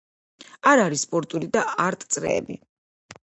არ არის სპორტული და არტ წრეები.